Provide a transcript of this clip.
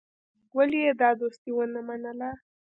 ولي يې دا دوستي ونه منله.